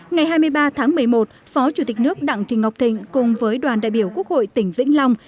ngày hai mươi ba tháng một mươi một phó chủ tịch nước đặng thị ngọc thịnh cùng với đoàn đại biểu quốc hội tỉnh vĩnh long